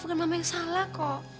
bukan nama yang salah kok